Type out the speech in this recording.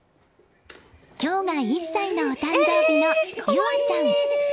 今日が１歳のお誕生日の結彩ちゃん。